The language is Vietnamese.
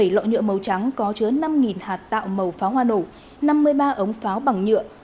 bảy lọ nhựa màu trắng có chứa năm hạt tạo màu pháo hoa nổ năm mươi ba ống pháo bằng nhựa